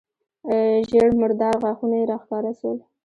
ژېړ مردار غاښونه يې راښکاره سول.